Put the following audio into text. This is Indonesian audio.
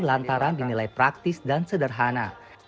lantaran bimilai praktis dan sederhana